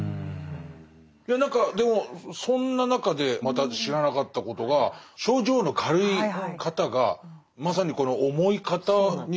いや何かでもそんな中でまた知らなかったことが症状の軽い方がまさにこの重い方に付き添うっていうやり方なんですね。